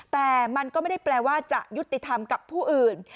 แต่มันก็ไม่ได้แปลว่าจะยุติธรรมกับผู้อื่น